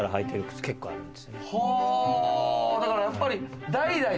はぁだからやっぱり。